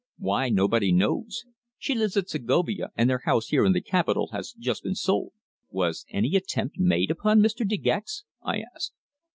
Why, nobody knows. She lives at Segovia, and their house here in the capital has just been sold." "Was any attempt made upon Mr. De Gex?" I asked.